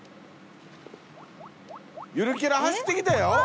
ゆるキャラ走ってきたよ